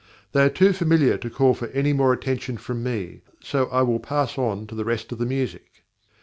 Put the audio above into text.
They are too familiar to call for any more attention from me, so I will pass on to the rest of the music.